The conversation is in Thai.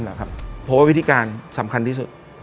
เพราะว่าวิธีการสำคัญที่สุด